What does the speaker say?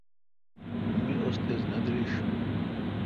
می استیز نہ دریݭ۔